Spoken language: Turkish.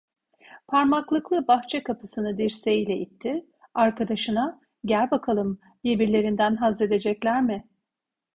Parmaklıklı bahçe kapısını dirseğiyle itti, arkadaşına: "Gel bakalım, birbirlerinden hazzedecekler mi?"